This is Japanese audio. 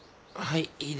はい。